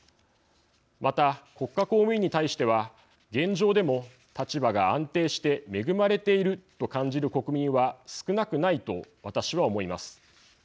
また国家公務員に対しては現状でも立場が安定して恵まれていると感じる国民は少なくないと私は思います。